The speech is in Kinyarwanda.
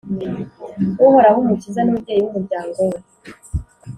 uhoraho: umukiza n’umubyeyi w’umuryango we